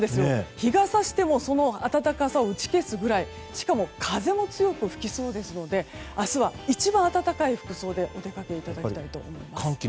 日が差してもその暖かさを打ち消すくらいしかも風も強く吹きそうですので明日は一番温かい服装でお出かけいただきたいと思います。